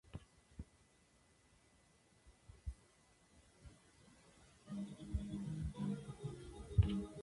En la superficie de Los Mercados se detecta cerámica visigoda.